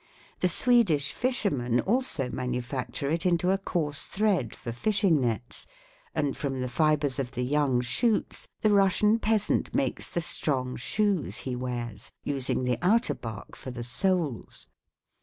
The Swedish fishermen also manufacture it into a coarse thread for fishing nets, and from the fibres of the young shoots the Russian peasant makes the strong shoes he wears, using the outer bark for the soles.